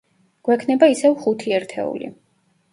გვექნება ისევ ხუთი ერთეული.